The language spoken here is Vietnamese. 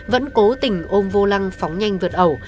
vẫn cố tình ôm vô lăng phóng nhanh vượt ẩu